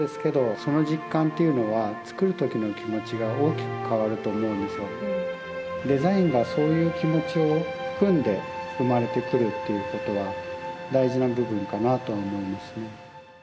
つくり手にとってもデザインがそういう気持ちを含んで生まれてくるっていうことは大事な部分かなとは思いますね。